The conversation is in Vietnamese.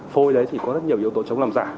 phôi đấy thì có rất nhiều yếu tố